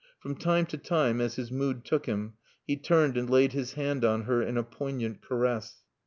From time to time, as his mood took him, he turned and laid his hand on her in a poignant caress.